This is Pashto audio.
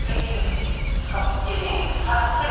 څه ډول نوې ژبه زده کول دماغ پیاوړی کوي؟